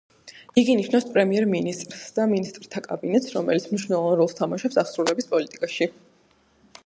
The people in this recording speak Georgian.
იგი ნიშნავს პრემიერ-მინისტრს და მინისტრთა კაბინეტს, რომელიც მნიშნელოვან როლს თამაშობს აღსრულების პოლიტიკაში.